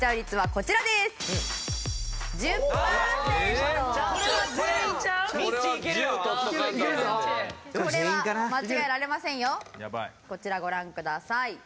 こちらご覧ください。